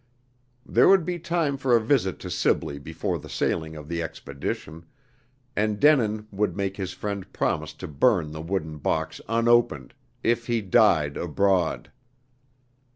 There would be time for a visit to Sibley before the sailing of the expedition; and Denin would make his friend promise to burn the wooden box unopened, if he died abroad.